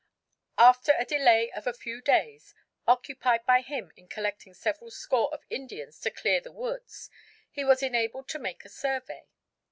] After a delay of a few days, occupied by him in collecting several score of Indians to clear the woods, he was enabled to make a survey.